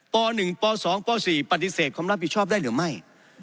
ปอหนึ่งปอสองปอสี่ปฏิเสธความรับผิดชอบได้หรือไม่